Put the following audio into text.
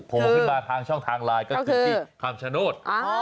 โผล่ขึ้นมาทางช่องทางไลน์ก็คือที่คำชโนธ